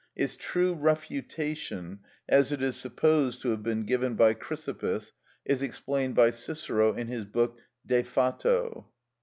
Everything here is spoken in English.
Its true refutation, as it is supposed to have been given by Chrysippus, is explained by Cicero in his book De Fato, ch.